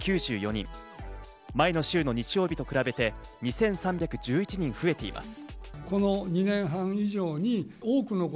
前の週の日曜日と比べて２３１１人増えています。